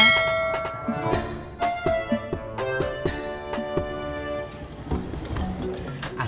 asal lu gak tau ya